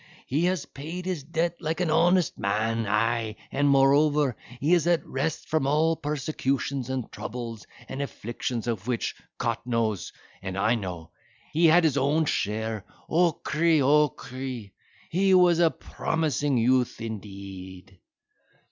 He has paid his debt like an honest man—ay, and moreover, he is at rest from all persecutions, and troubles, and afflictions, of which, Cot knows, and I know, he had his own share—Ochree! Ochree! he was a promising youth indeed!"